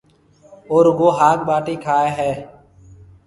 او رُگو هاگ ٻاٽِي کائي هيَ۔